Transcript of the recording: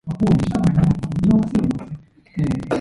Trees have been allowed to obscure the view, however.